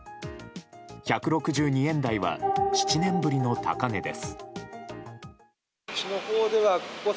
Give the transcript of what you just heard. １６２円台は７年ぶりの高値です。